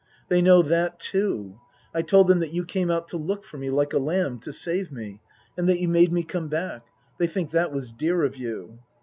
" They know that, too. I told them that you came out to look for me like a lamb, to save me and that you made me come back. They think that was dear of you."